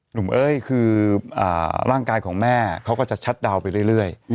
เอ้ยคือร่างกายของแม่เขาก็จะชัดดาวน์ไปเรื่อย